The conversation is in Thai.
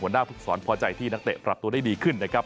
หน้าฟุกษรพอใจที่นักเตะปรับตัวได้ดีขึ้นนะครับ